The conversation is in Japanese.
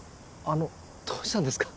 あのどうしたんですか？